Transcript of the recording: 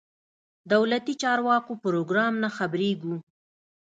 دولتي چارواکو پروګرام نه خبرېږو.